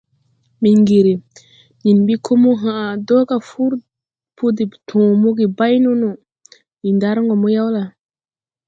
Miŋgiri: « Nen ɓi ko mo hãʼ do ga fur po de tõ moge ɓay no no, ndi ndar gɔ mo yawla? ».